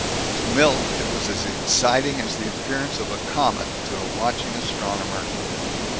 To Milt it was as exciting as the appearance of a comet to a watching astronomer.